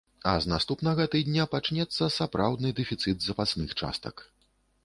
А з наступнага тыдня пачнецца сапраўдны дэфіцыт запасных частак.